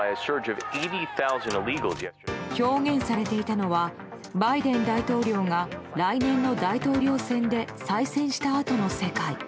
表現されていたのはバイデン大統領が来年の大統領選で再選したあとの世界。